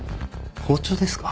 包丁ですか？